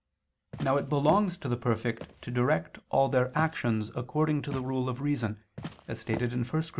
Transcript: Now it belongs to the perfect to direct all their actions according to the rule of reason, as stated in 1 Cor.